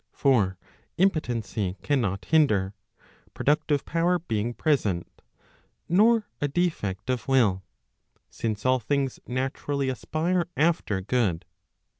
For impotency cannot hinder, pro¬ ductive power being present, nor a defect of will; since all things natu¬ rally aspire after good.